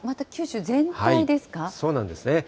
そうなんですね。